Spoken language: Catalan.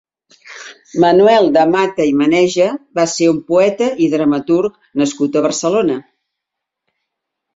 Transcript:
Manuel de Mata i Maneja va ser un poeta i dramaturg nascut a Barcelona.